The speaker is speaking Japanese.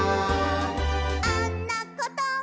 「あんなこと」